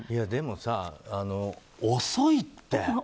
でもさ、遅いって。